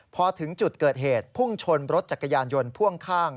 พอถึงจุดเกิดเหตุพุ่งชนรถจักรยานยนต์พ่วงข้าง